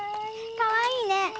かわいいね。